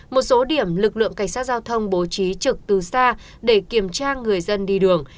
một số điểm lực lượng cảnh sát giao thông bố trí trực từ xa để kiểm tra người dân đi đường